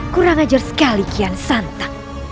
kurang ajar sekali kian santa